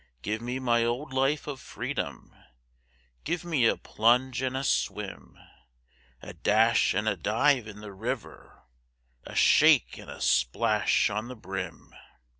"Give me my old life of freedom, Give me a plunge and a swim, A dash and a dive in the river, A shake and a splash on the brim."